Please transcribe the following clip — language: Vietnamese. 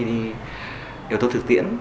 yếu tố thực tiễn